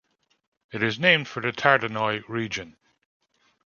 It is named for the Tardenois region.